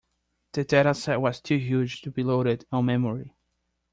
The dataset was too huge to be loaded on memory.